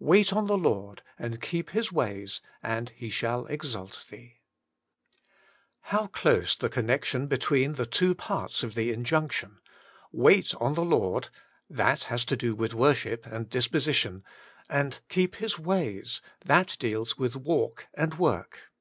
'Wait on the Lord, and keep His ways, and He shall exalt thee.' WAITING ON GOD! How close the connection between the two parte of the injunction, * Wait on the Lord/ — that has to do with worship and disposition; * and keep His ways,' — that deals with walk and work.